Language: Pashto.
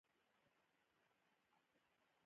د جون ایلیا د تخلص په اړه مې لوستي دي.